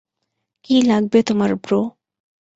কী লাগবে তোমার, ব্রো?